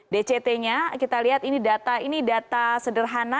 dct nya kita lihat ini data sederhana